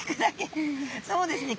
そうですね